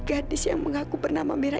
gadis yang mengaku bernama mira